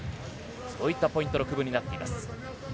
そういったポイントの区分になっています。